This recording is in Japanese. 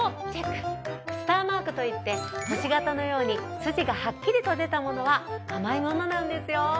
スターマークといって星形のように筋がはっきりと出たものは甘いものなんですよ。